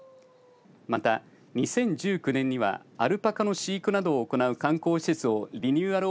また２０１９年にはアルパカの飼育など行う観光施設をリニューアル